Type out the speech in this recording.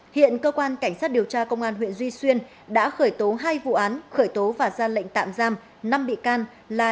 hiện cơ quan cảnh sát điều tra công an huyện duy xuyên đã khởi tố hai vụ án khởi tố và ra lệnh tạm giam năm bị can là